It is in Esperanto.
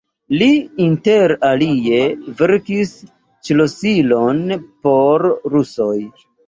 Li inter alie verkis ŝlosilon por rusoj.